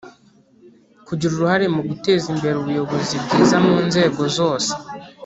kugira uruhare mu guteza imbere ubuyobozi bwiza mu nzego zose,